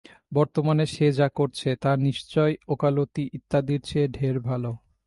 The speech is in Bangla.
বর্তমানে সে যা করছে, তা নিশ্চয়ই ওকালতি ইত্যাদির চেয়ে ঢের ভাল।